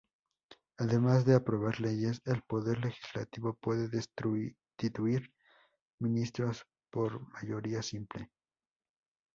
Además de aprobar leyes, el Poder Legislativo puede destituir ministros por mayoría simple.